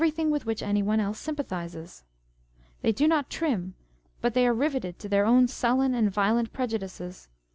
537 thing with which any one else sympathises. They do not trim, but they are riveted to their own sullen and violent prejudices.